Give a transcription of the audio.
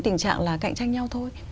tình trạng là cạnh tranh nhau thôi